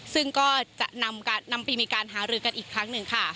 ซึ่งก็จะนำปีมีการหารือกันอีกครั้งหนึ่งค่ะ